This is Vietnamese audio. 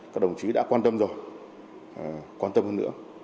các đồng chí đã quan tâm rồi quan tâm hơn nữa